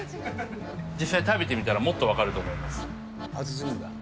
実際、食べてみたらもっと分かると思います。